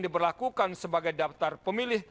diberlakukan sebagai daftar pemilih